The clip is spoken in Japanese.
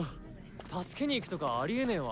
助けに行くとかありえねーわ。